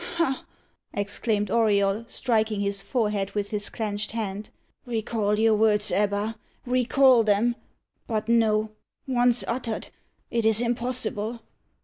"Ha!" exclaimed Auriol, striking his forehead with his clenched hand. "Recall your words Ebba recall them but no, once uttered it is impossible.